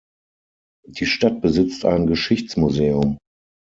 Die Stadt besitzt ein "Geschichtsmuseum".